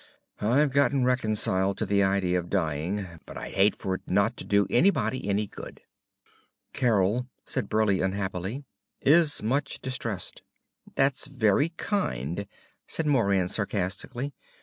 I've gotten reconciled to the idea of dying, but I'd hate for it not to do anybody any good." "Carol," said Burleigh unhappily, "is much distressed." "That's very kind," said Moran sarcastically.